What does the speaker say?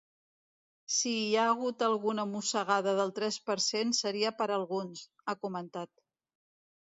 “Si hi ha hagut alguna mossegada del tres per cent seria per a alguns”, ha comentat.